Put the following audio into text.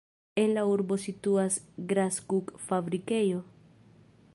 En la urbo situas graskuk-fabrikejo.